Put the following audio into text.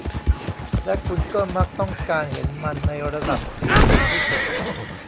และคุณก็มักต้องการเห็นมันในระดับที่สูงที่สุด